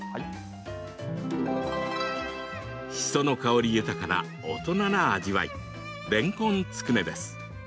しその香り豊かな大人な味わいれんこんつくねです。